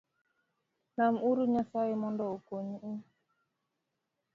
Lam uru Nyasae mondo okony u